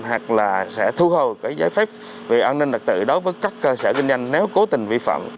hoặc là sẽ thu hồ giấy phép về an ninh đặc tự đối với các cơ sở kinh doanh nếu cố tình vi phạm